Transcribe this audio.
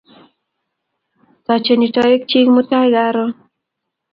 Tochei toek chik mutai karon